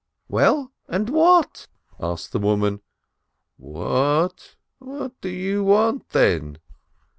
"Well, and what?" asked the woman. "What? What do you want then?"